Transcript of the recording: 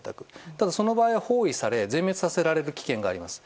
ただ、その場合は包囲され全滅させられる危険性があります。